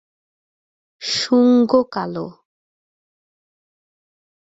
শুঙ্গ কালো।